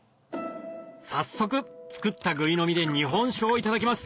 早速作ったぐい呑みで日本酒をいただきます